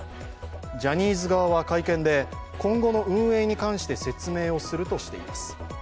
ジャニーズ側は会見で今後の運営に関して説明をするとしています。